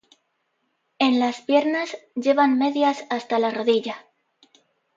En las piernas llevan medias hasta la rodilla.